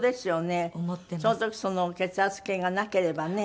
その時その血圧計がなければね。